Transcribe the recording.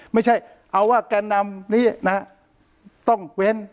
ไม่ใช่เอาว่าแกนนำนี้นะต้องเว้น